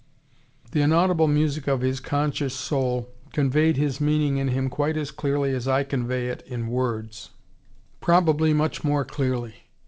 The inaudible music of his conscious soul conveyed his meaning in him quite as clearly as I convey it in words: probably much more clearly.